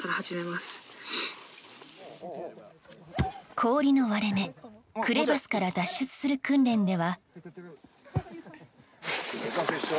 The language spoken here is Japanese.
氷の割れ目、クレバスから脱出する訓練では。